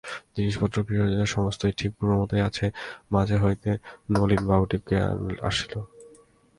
জিনিসপত্র গৃহসজ্জা সমস্তই ঠিক পূর্বের মতোই আছে, মাঝে হইতে নলিনবাবুটি কে আসিল?